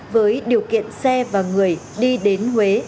với điều kiện xe và người đi đến huế